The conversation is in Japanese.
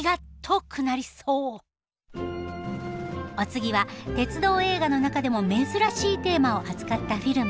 お次は鉄道映画の中でも珍しいテーマを扱ったフィルム。